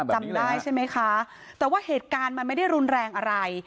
จำได้ใช่ไหมคะแต่ว่าเหตุการณ์มันไม่ได้รุนแรงอะไร